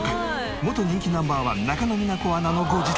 元人気ナンバー１中野美奈子アナのご自宅。